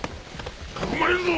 囲まれるぞ！